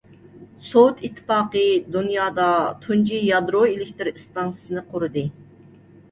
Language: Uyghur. سوۋېت ئىتتىپاقى دۇنيادا تۇنجى يادرو ئېلېكتىر ئىستانسىسىنى قۇردى.